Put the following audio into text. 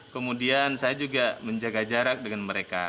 kemudian saya juga menjaga jarak dengan mereka